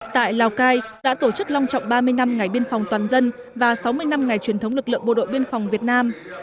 tại lào cai đã tổ chức long trọng ba mươi năm ngày biên phòng toàn dân và sáu mươi năm ngày truyền thống lực lượng bộ đội biên phòng việt nam